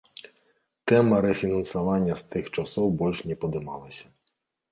Тэма рэфінансавання з тых часоў больш не падымалася.